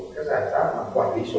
các giải pháp quản lý số